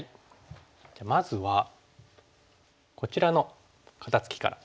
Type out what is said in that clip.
じゃあまずはこちらの肩ツキから。